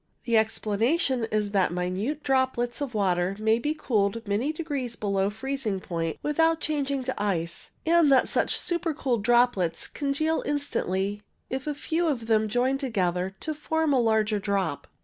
The explanation is that minute droplets of water may be cooled many degrees below freezing point without 59 6o ALTO CLOUDS changing into ice, and that such super cooled drop lets congeal instantly if a few of them join together to form a larger drop.